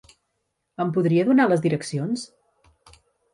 Em podria donar les direccions?